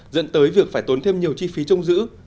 dẫn tới việc phải tốn thêm nhiều chi phí trông giữ